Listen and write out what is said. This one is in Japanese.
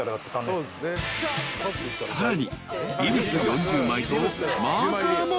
［さらに］